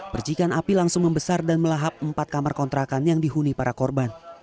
percikan api langsung membesar dan melahap empat kamar kontrakan yang dihuni para korban